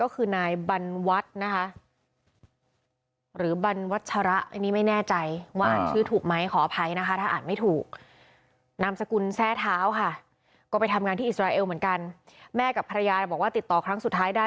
เขาจะถูกยิงตายไปเอง